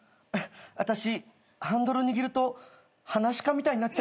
あたしハンドル握るとはなし家みたいになっちゃうんだよ。